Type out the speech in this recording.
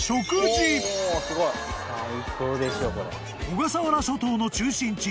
［小笠原諸島の中心地